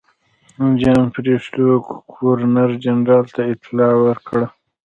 جان بریسټو ګورنر جنرال ته اطلاع ورکړه.